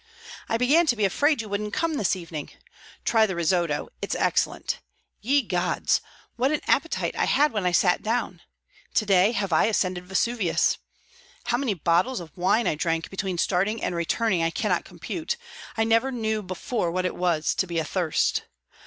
"I began to be afraid you wouldn't come this evening. Try the risotto; it's excellent. Ye gods! what an appetite I had when I sat down! To day have I ascended Vesuvius. How many bottles of wine I drank between starting and returning I cannot compute; I never knew before what it was to be athirst.